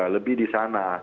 lebih di sana